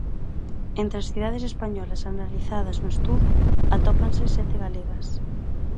Entre as cidades españolas analizadas no estudo, atópanse sete galegas.